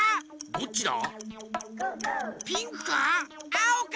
どっちだ？